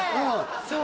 そう